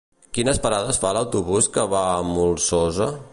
Quines parades fa l'autobús que va a la Molsosa?